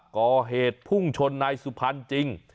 ก่อเหตุพุ่งชนนายสุพรรณจริง